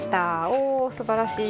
おおすばらしい。